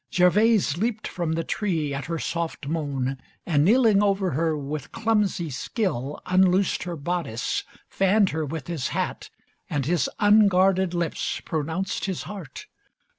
Gervase leapt from the tree at her soft moan, And kneeling over her, with clumsy skill Unloosed her bodice, fanned her with his hat, And his unguarded lips pronounced his heart.